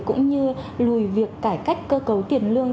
cũng như lùi việc cải cách cơ cấu tiền lương